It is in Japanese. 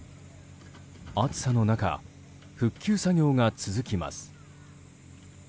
暑さの中、復旧作業が続きます。